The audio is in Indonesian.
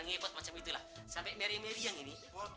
ngepot macam itulah sampai meriang meriang ini